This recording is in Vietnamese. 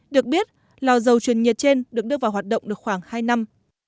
được biết lò dầu truyền nhiệt trên được đưa vào hoạt động được khoảng hai năm